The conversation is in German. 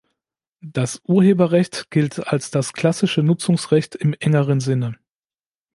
Das Urheberrecht gilt als das klassische Nutzungsrecht im engeren Sinne.